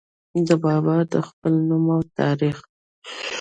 د بابا د خپل نوم او تاريخ